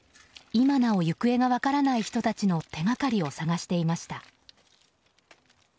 今なお行方が分からない人たちの手がかりを探していました。